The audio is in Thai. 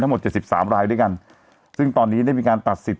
หมดเจ็ดสิบสามรายด้วยกันซึ่งตอนนี้ได้มีการตัดสิท